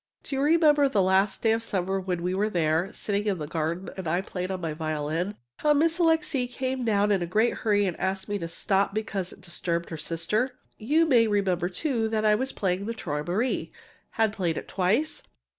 Do you remember the day last summer when we were there, sitting in the garden, and I played on my violin how Miss Alixe came down in a great hurry and asked me to stop because it disturbed her sister? You may remember, too, that I was playing "Träumerei" had played it twice?